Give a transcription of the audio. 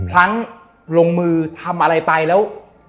พลั้งลงมือทำอะไรไปแล้ว